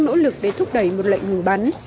và đang nỗ lực để thúc đẩy một lệnh ngừng bắn